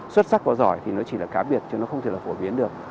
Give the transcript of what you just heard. xuất sắc và giỏi thì nó chỉ là cá biệt chứ nó không thể là phổ biến được